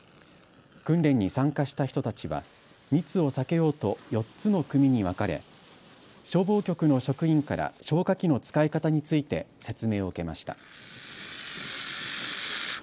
訓練に参加した人たちは密を避けようと４つの組に分かれ消防局の職員から消火器の使い方について説明を受けました。